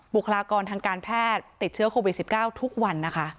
บุคลากรทางการแพทย์ติดเชื้อโควิด๑๙ทุกวันนะคะ